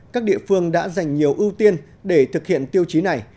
các địa phương đã dành nhiều ưu tiên để thực hiện tiêu chí này